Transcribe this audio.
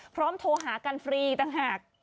พร้อมโทรหากันฟรีต่างหาก